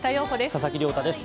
佐々木亮太です。